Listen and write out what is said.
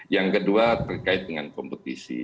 yang kedua terkait dengan kompetisi